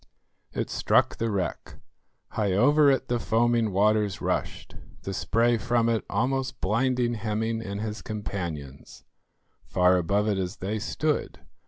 It struck the wreck. High over it the foaming waters rushed, the spray from it almost blinding Hemming and his companions, far above it as they stood.